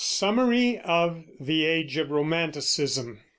SUMMARY OF THE AGE OF ROMANTICISM.